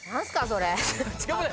それ。